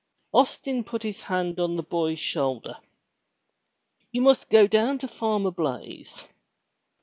Austin put his hand on the boy's shoulder. "You must go down to Farmer Blaize.